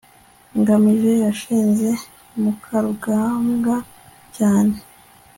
ngamije yashinje mukarugambwa cyane